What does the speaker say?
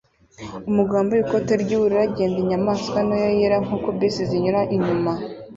Umugabo wambaye ikote ry'ubururu agenda inyamaswa ntoya yera nkuko bisi zinyura inyuma